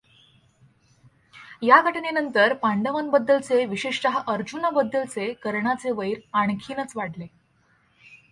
ह्या घटनेनंतर पांडवांबद्दलचे विशेषतः अर्जुनाबद्दलचे कर्णाचे वैर आणखीनच वाढले.